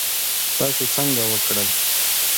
تاسو څنګه وکړل؟